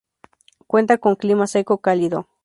Cuenta con clima seco–cálido.